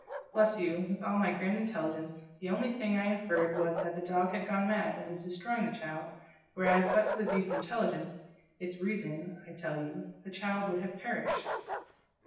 bless you, with all my grand intelligence, the only thing I inferred was that the dog had gone mad and was destroying the child, whereas but for the beast's intelligence it's REASON, I tell you! the child would have perished!"